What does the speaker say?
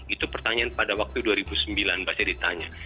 itu pertanyaan pada waktu dua ribu sembilan bahasa ditanya